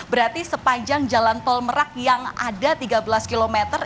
berarti sepanjang jalan tol merak yang ada tiga belas km